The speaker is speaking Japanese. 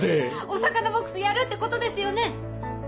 お魚ボックスやるってことですよね？